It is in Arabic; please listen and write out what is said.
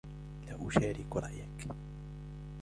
لا أشارك رأيك.